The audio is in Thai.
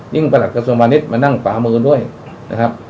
ยิ่งประหลักกษมณิชย์มานั่งปลามือด้วยนะครับ